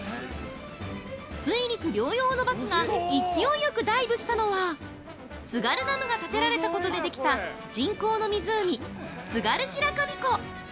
◆水陸両用のバスが勢いよくダイブしたのは津軽ダムが建てられたことでできた人工の湖。